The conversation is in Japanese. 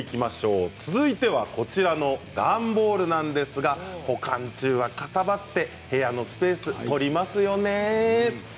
続いてはこちらの段ボールなんですが、保管中はかさばってお部屋のスペースを取りますよね。